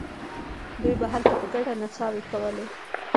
دوی به هلته په ګډه نڅاوې کولې.